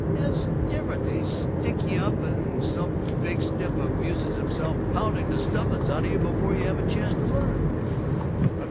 "That's different. They stick you up there and some big stiff amuses himself pounding the stuffin's out of you before you have a chance to learn.